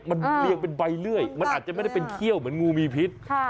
มันเรียงเป็นใบเลื่อยมันอาจจะไม่ได้เป็นเขี้ยวเหมือนงูมีพิษ